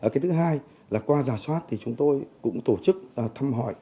cái thứ hai là qua giả soát thì chúng tôi cũng tổ chức thăm hỏi